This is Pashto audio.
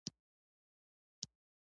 خپل خلک ماړه کړم.